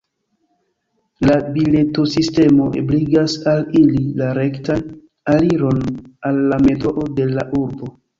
La biletosistemo ebligas al ili la rektan aliron al la metroo de la urbo.